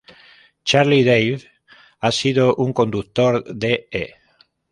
Charlie David ha sido un conductor de E!